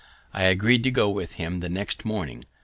I agreed to go with him the next morning.